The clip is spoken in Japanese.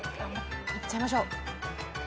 いっちゃいましょう。